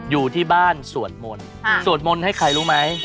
อยู่ที่บ้านสวดมนต์สวดมนต์ให้ใครรู้ไหม